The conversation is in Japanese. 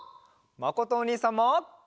まことおにいさんも。